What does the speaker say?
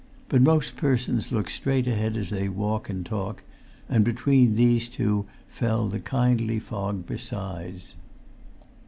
But most persons look straight ahead as they walk and talk, and between these two fell the kindly fog besides.